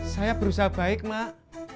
saya berusaha baik mak